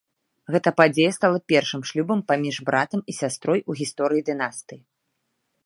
Гэта падзея стала першым шлюбам паміж братам і сястрой у гісторыі дынастыі.